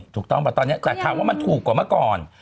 ถูกต้องป่ะตอนนี้แต่ถามว่ามันถูกกว่าเมื่อก่อน